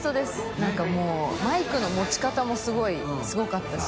覆鵑もうマイクの持ち方もすごかったし。